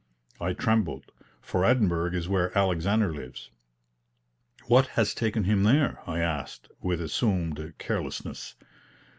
I trembled, for Edinburgh is where Alexander lives. "What has taken him there?" I asked, with assumed carelessness.